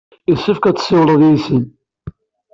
Yessefk ad tessiwled yid-sen.